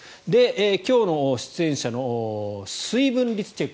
今日の出演者の水分率チェック